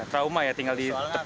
trauma ya tinggal di tepi